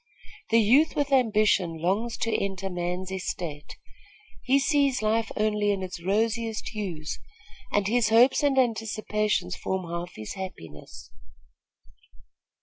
The youth with ambition longs to enter man's estate. He sees life only in its rosiest hues, and his hopes and anticipations form half his happiness."